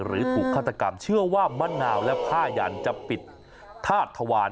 หรือถูกฆาตกรรมเชื่อว่ามะนาวและผ้ายันจะปิดธาตุทวาร